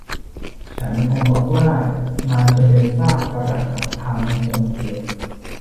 ฉันคงบอกว่ามันจะเป็นซากปรักหักพังอันทรงเกียรติ